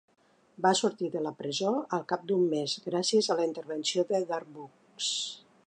Va sortir de la presó al cap d'un mes gràcies a la intervenció de Darboux.